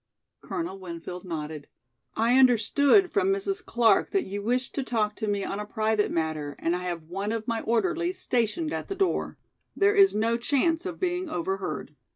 Colonel Winfield nodded. "I understood from Mrs. Clark that you wished to talk to me on a private matter and I have one of my orderlies stationed at the door. There is no chance of being overheard.